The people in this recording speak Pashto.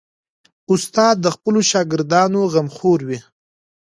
استاد د خپلو شاګردانو غمخور وي.